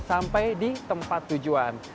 sampai di tempat tujuan